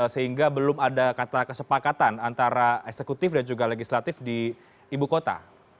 sehingga belum ada kata kesepakatan antara eksekutif dan juga legislatif di ibu kota